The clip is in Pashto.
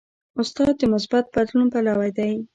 استاد د مثبت بدلون پلوی دی.